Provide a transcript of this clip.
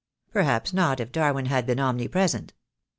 "Perhaps not, if Darwin had been omnipresent."